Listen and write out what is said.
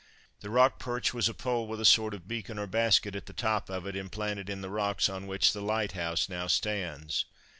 The Rock Perch was a pole with a sort of beacon or basket at the top of it, implanted in the rocks on which the lighthouse now stands.